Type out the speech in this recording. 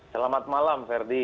selamat malam ferdi